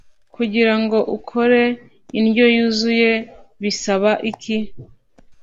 kugirango ukore indyo yuzuye bisaba iki